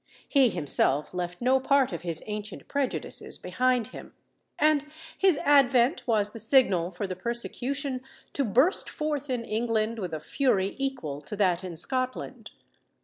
He himself left no part of his ancient prejudices behind him; and his advent was the signal for the persecution to burst forth in England with a fury equal to that in Scotland.